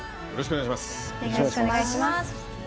よろしくお願いします。